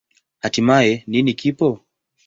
Hatimaye, nini kipo?